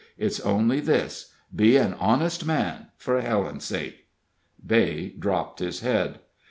It's only this; be an honest man, for Helen's sake." Beigh dropped his head.